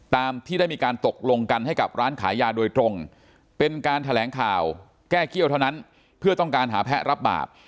ตามที่ได้มีการตกลงกันให้กับร้านขายยาโดยตรงเป็นการแถลงข่าวแก้เกี้ยวเท่านั้นเพื่อต้องการหาแพ้รับบาป